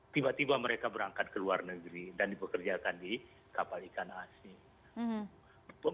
tiba tiba mereka berangkat ke luar negeri dan dipekerjakan di kapal ikan asing